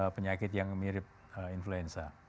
penyakit yang mirip influenza